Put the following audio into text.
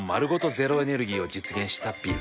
ゼロエネルギーを実現したビル。